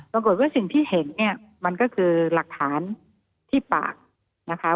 ปรากฏว่าสิ่งที่เห็นเนี่ยมันก็คือหลักฐานที่ปากนะคะ